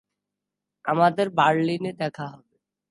আমাদের বার্লিনে দেখা হবে।